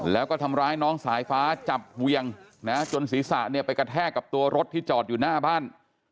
แล้วก็ทำร้ายน้องสายฟ้าจับเวียงนะจนศีรษะเนี่ยไปกระแทกกับตัวรถที่จอดอยู่หน้าบ้าน